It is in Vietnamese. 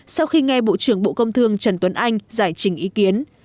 sau khi nghe bộ trưởng bộ công thương trần tuấn anh giải trình ý kiến